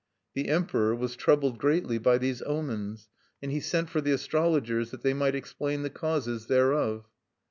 The Emperor was troubled greatly by these omens; and he sent for the astrologers, that they might explain the causes thereof.